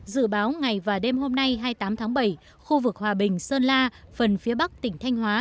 dự báo ngày và đêm hôm nay hai mươi tám tháng bảy khu vực hòa bình sơn la phần phía bắc tỉnh thanh hóa